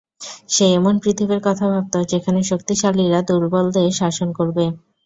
সে এমন পৃথিবীর কথা ভাবত, যেখানে শক্তিশালীরা দুর্বলদের শাসন করবে।